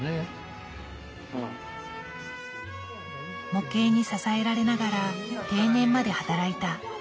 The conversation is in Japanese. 模型に支えられながら定年まで働いた。